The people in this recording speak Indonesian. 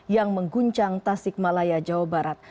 yang mengguncang tasik malaya jawa barat